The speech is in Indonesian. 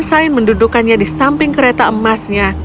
pangeran sunshine mendudukannya di samping kereta emasnya